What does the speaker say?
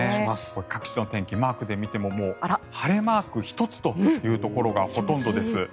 各地の天気マークで見てももう晴れマーク１つというところがほとんどです。